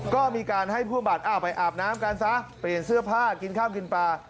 ก็มีการให้ผู้บำบัดอ้าวไปอาบน้ำกันซะเปลี่ยนเสื้อผ้ากินข้าวกินปลา